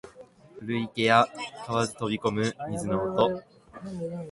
古池や蛙飛び込む水の音